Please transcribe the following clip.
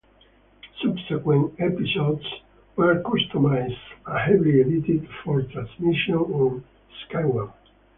Subsequent episodes were customised and heavily edited for transmission on Sky One.